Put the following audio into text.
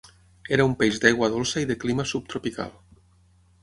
Era un peix d'aigua dolça i de clima subtropical.